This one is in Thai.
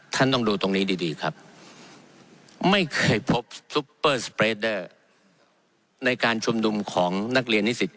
ท่านต้องดูตรงนี้ดีดีครับไม่เคยพบในการชมดุมของนักเรียนนิสิต